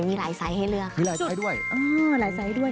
มีหลายไซส์ให้เลือกมีหลายไซส์ให้ด้วยอ๋อหลายไซส์ให้ด้วย